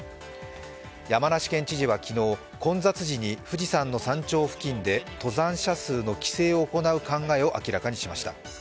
山梨県知事は昨日、混雑時に富士山の山頂付近で登山者数の規制を行う考えを明らかにしました。